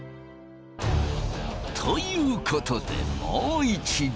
ということでもう一度。